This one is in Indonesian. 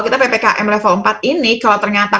kita ppkm level empat ini kalau ternyata